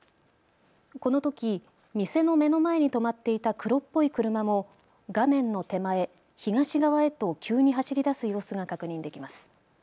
このとき店の目の前に止まっていた黒っぽい車も画面の手前、東側へと急に走り出す様子が確認できます。